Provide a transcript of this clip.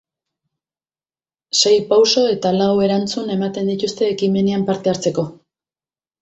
Sei pauso eta lau erantzun ematen dituzte ekimenean parte hartzeko.